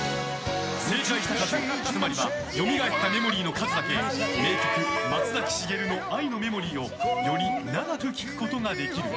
正解した数、つまりはよみがえったメモリーの数だけ名曲・松崎しげるの「愛のメモリー」をより長く聴くことができる！